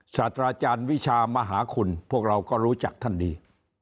ศาสตราจารย์วิชามหาคุณพวกเราก็รู้จักท่านดี